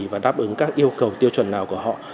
và đáp ứng các yêu cầu tiêu chuẩn nào của họ